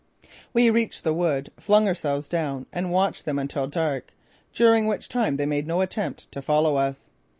We reached the wood, flung ourselves down and watched them until dark, during which time they made no attempt to follow us.